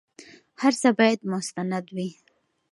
هر څه بايد مستند وي.